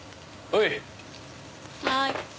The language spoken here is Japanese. はい。